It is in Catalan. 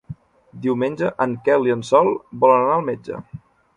Diumenge en Quel i en Sol volen anar al metge.